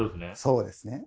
そうですね。